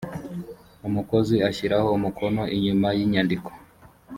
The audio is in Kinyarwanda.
umukozi ashyiraho umukono inyuma y inyandiko